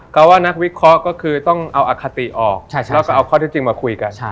ก็ว่านักวิเคราะห์ก็คือต้องเอาอคติออกแล้วก็เอาข้อที่จริงมาคุยกัน